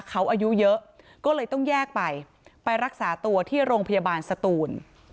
เขาอายุเยอะก็เลยต้องแยกไปไปรักษาตัวที่โรงพยาบาลสตูน